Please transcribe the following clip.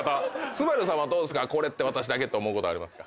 昴さんはコレって私だけ？って思うことありますか？